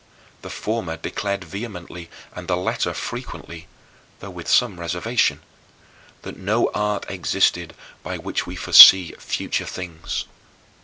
The former declared vehemently and the latter frequently though with some reservation that no art existed by which we foresee future things.